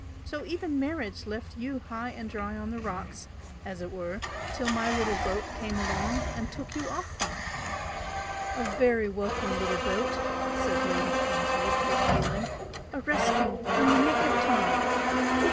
So even marriage left you high and dry on the rocks as it were till my little boat came along and took you off them!" "A very welcome little boat!" said Lady Kingswood, with feeling "A rescue in the nick of time!"